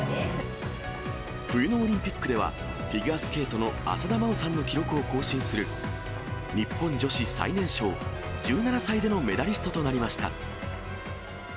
冬のオリンピックでは、フィギュアスケートの浅田真央さんの記録を更新する、日本女子最年少１７歳でのメダリストとなりました。